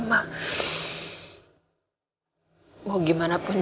mau gimana pun